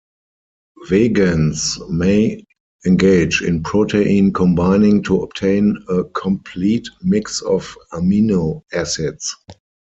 Vegans may engage in protein combining to obtain a complete mix of amino acids.